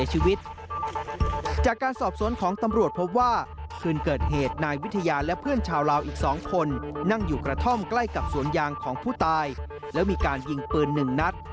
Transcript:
จากการสอบสวนของตำรวจพบว่าคืนเกิดเหตุนายวิทยาและเพื่อนชาวลาวอีก๒คนนั่งอยู่กระท่อมใกล้กับสวนยางของผู้ตายแล้วมีการยิงปืนหนึ่งนัด